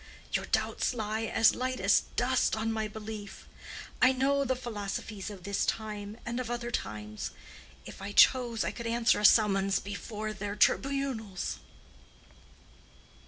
Your doubts lie as light as dust on my belief. I know the philosophies of this time and of other times; if I chose I could answer a summons before their tribunals.